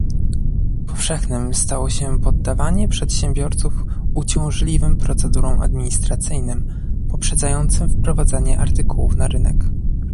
Powszechnym stało się poddawanie przedsiębiorców uciążliwym procedurom administracyjnym poprzedzającym wprowadzenie artykułów na rynek